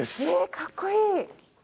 かっこいい！